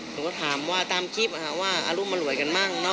ผมก็ถามว่าตามคลิปว่าอารุมารวยกันมากเนอะ